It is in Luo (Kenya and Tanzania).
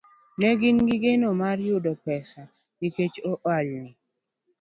Ne gin gi geno mar yudo pesa nikech ohalni